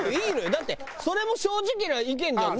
だってそれも正直な意見じゃんね。